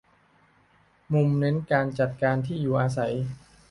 มุ่งเน้นการจัดการที่อยู่อาศัย